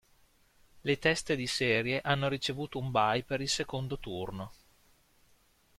Le teste di serie hanno ricevuto un bye per il secondo turno.